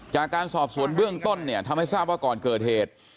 จากการสอบสวนเบื้องต้นเนี่ยทำให้ทราบว่าก่อนเกิดเหตุ